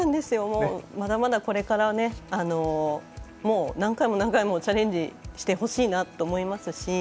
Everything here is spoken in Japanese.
まだまだ、これから何回も何回もチャレンジしてほしいなと思いますし。